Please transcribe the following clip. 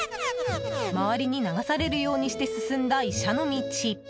周りに流されるようにして進んだ医者の道。